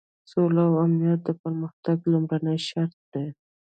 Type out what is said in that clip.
سوله او امنیت د پرمختګ لومړنی شرط دی.